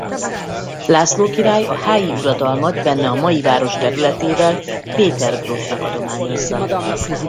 László király a háji uradalmat benne a mai város területével Péter grófnak adományozza.